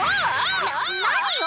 な何よ！